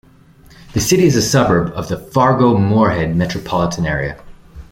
The city is a suburb of the Fargo-Moorhead metropolitan area.